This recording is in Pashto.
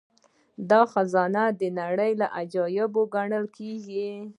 دا خزانه د نړۍ له عجايبو ګڼل کیږي